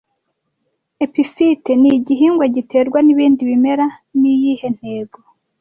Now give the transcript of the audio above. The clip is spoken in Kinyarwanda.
Epiphyite ni igihingwa giterwa nibindi bimera niyihe ntego